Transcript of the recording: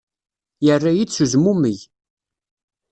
Yerra-iyi-d s uzmummeg.